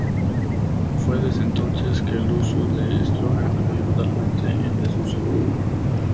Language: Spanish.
Fue desde entonces que el uso de estrógenos cayó totalmente en desuso.